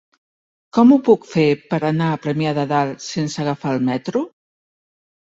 Com ho puc fer per anar a Premià de Dalt sense agafar el metro?